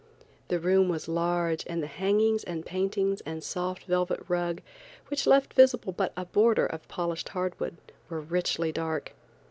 The room was large and the hangings and paintings and soft velvet rug, which left visible but a border of polished hard wood, were richly dark.